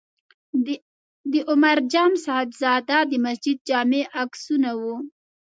د عمر جان صاحبزاده د مسجد جامع عکسونه و.